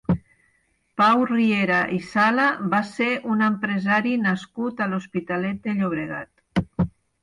Pau Riera i Sala va ser un empresari nascut a l'Hospitalet de Llobregat.